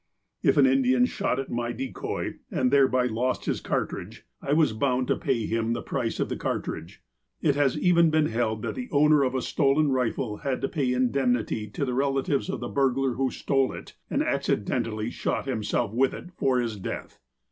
If an Indian shot at my decoy, and thereby lost his cartridge, I was bound to pay PECULIAR CUSTOMS 81 him the price of the cartridge. It has even been held that the owner of a stolen rifle had to pay indemnity to the relatives of the burglar who stole it, and accidentally shot himself with it, for his death.